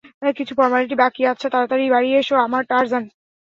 কিছু ফর্মালিটি বাকি আচ্ছা, তাড়াতাড়ি বাড়ি এসো আমার টার্জান।